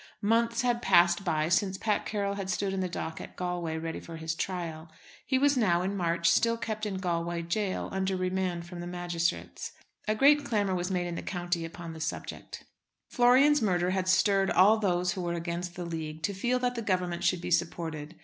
Months had passed by since Pat Carroll had stood in the dock at Galway ready for his trial. He was now, in March, still kept in Galway jail under remand from the magistrates. A great clamour was made in the county upon the subject. Florian's murder had stirred all those who were against the League to feel that the Government should be supported.